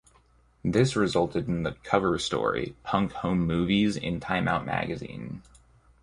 This resulted in the cover story, "Punk Home Movies" in "Time Out" magazine.